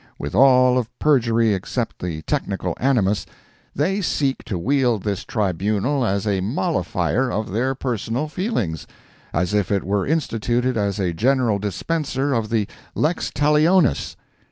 With all of perjury except the technical animus, they seek to wield this tribunal as a mollifier of their personal feelings, as if it were instituted as a general dispenser of the lex talionis.